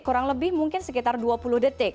kurang lebih mungkin sekitar dua puluh detik